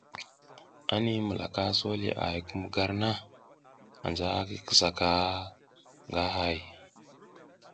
Anti mulaka a so le a hay kum gar na, anja ki kisa ka nga hay.